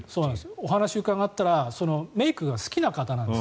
お話を伺ったらメイクが好きな方なんです。